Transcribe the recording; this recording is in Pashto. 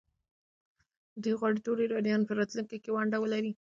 ده غواړي ټول ایرانیان په راتلونکي کې ونډه ولري.